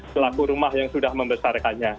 selaku rumah yang sudah membesarkannya